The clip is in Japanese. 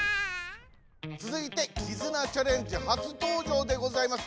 つづいて「絆チャレンジ」はつとうじょうでございます。